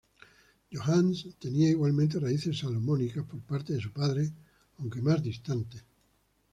Yohannes tenía igualmente raíces salomónicas por parte de su padre aunque más distantes.